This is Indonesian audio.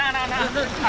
karena kita punya lumpur